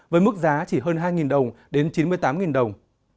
với mức giá chỉ hơn hai đồng đến chín mươi tám đồng